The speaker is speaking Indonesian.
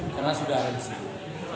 karena sudah ada disitu